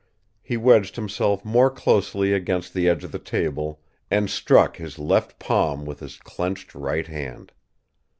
He wedged himself more closely against the edge of the table, and struck his left palm with his clenched right hand.